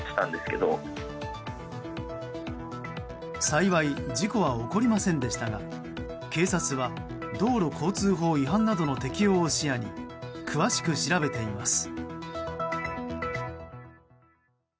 幸い事故は起こりませんでしたが警察は道路交通法違反などの適用を視野に詳しく調べています。